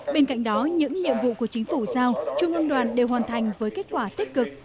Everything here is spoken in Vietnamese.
bên cạnh đó những nhiệm vụ của chính phủ giao trung ương đoàn đều hoàn thành với kết quả tích cực